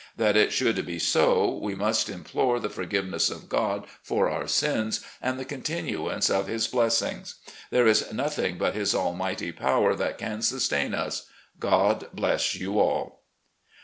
That it should be so, we must implore the forgiveness of God for our sins, and the continuance of His blessings. There is nothing but His almighty power that can sustain us. God bless you all.